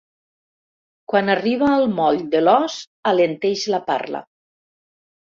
Quan arriba al moll de l'os, alenteix la parla.